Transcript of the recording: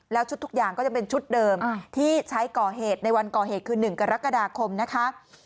แล้วชุดทุกอย่างก็จะเป็นชุดเดิมที่ใช้ก่อเหตุในวันก่อเหตุคือ๑กรกฎาคมนะคะ